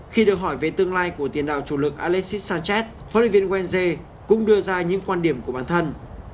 khi được hỏi về tương lai của tiền đạo chủ lực alexis sánchez huấn luyện viên wense cũng đưa ra những quan điểm của bản thân